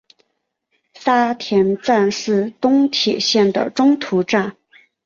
沙田站是东铁线的中途站。